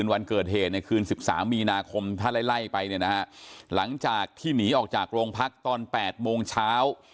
วันเกิดเหตุคืน๑๓มีถ้าไล่ไปหลังจากที่หนีออกจากโรงพักษ์ตอน๘โมงเช้า